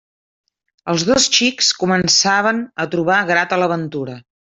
Els dos xics començaven a trobar grata l'aventura.